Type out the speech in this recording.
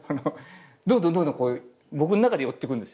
どんどんどんどん僕の中で寄ってくんです。